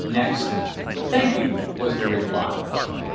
"Next." "Thank you," was the reply.